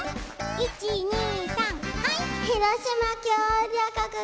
１２３はい！